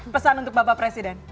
pesan untuk bapak presiden